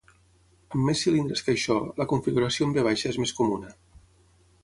Amb més cilindres que això, la configuració en V és més comuna.